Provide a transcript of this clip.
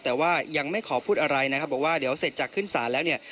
แต่ว่ายังไม่ขอพูดอะไรนะครับบอกว่าเดี๋ยวเสร็จจากขึ้นศาลแล้วเนี่ย